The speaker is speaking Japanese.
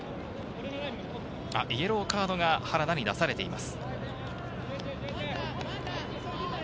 イエローカードが原田に出されています。